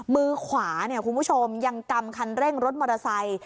มือขวาเนี่ยคุณผู้ชมยังกำคันเร่งรถมอเตอร์ไซค์